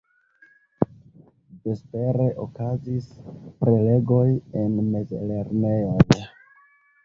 Vespere okazis prelegoj en mezlernejoj.